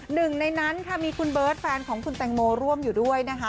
หนึ่งในนั้นค่ะมีคุณเบิร์ตแฟนของคุณแตงโมร่วมอยู่ด้วยนะคะ